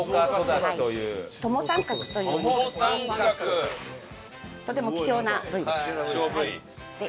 トモサンカクというとても希少な部位です。